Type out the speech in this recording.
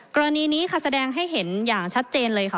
กรณีนี้ค่ะแสดงให้เห็นอย่างชัดเจนเลยค่ะ